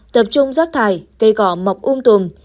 tập trung rác thải cây cỏ mọc ung tùm